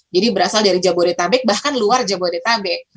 jadi berasal dari jabodetabek bahkan luar jabodetabek